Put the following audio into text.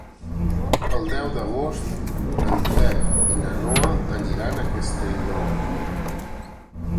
El deu d'agost en Pep i na Noa aniran a Castellnou.